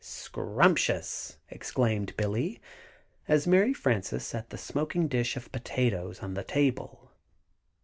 "Scrumptious!" exclaimed Billy, as Mary Frances set the smoking dish of potatoes on the table.